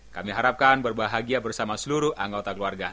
kami harapkan berbahagia bersama seluruh anggota keluarga